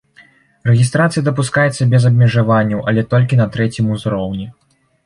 Рэгістрацыя дапускаецца без абмежаванняў, але толькі на трэцім узроўні.